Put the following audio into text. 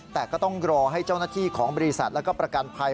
แต่ก็ต้องรอให้เจ้าหน้าที่ของบริษัทแล้วก็ประกันภัย